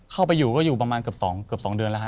เข้าไปอยู่ก็อยู่ประมาณเกือบ๒เดือนแล้วฮ